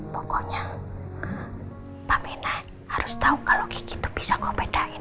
pokoknya pak mirna harus tau kalau gigi tuh bisa gue bedain